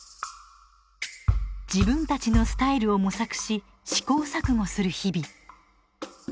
自分たちのスタイルを模索し試行錯誤する日々。